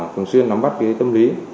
thường xuyên nắm bắt cái tâm lý